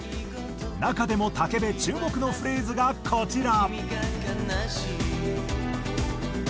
中でも武部注目のフレーズがこちら！